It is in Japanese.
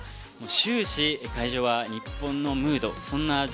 終始、会場は日本のムード。